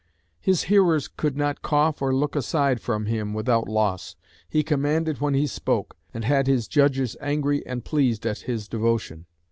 "His hearers could not cough or look aside from him without loss. He commanded when he spoke, and had his judges angry and pleased at his devotion